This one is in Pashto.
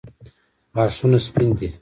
غاښونه سپین دي.